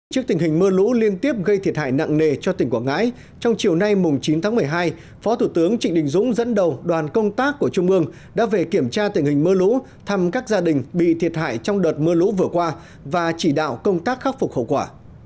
trước tình hình mưa lũ liên tiếp gây thiệt hại nặng nề cho tỉnh quảng ngãi trong chiều nay chín tháng một mươi hai phó thủ tướng trịnh đình dũng dẫn đầu đoàn công tác của trung ương đã về kiểm tra tình hình mưa lũ thăm các gia đình bị thiệt hại trong đợt mưa lũ vừa qua và chỉ đạo công tác khắc phục khẩu quả